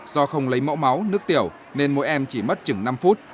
do không lấy mẫu máu nước tiểu nên mỗi em chỉ mất chừng năm phút